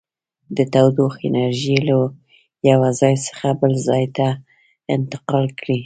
د تودوخې انرژي له یو ځای څخه بل ځای ته انتقال کوي.